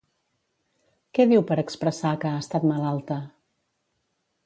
Què diu per expressar que ha estat malalta?